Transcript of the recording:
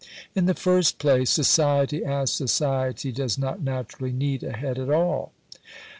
In the first place, society as society does not naturally need a head at all.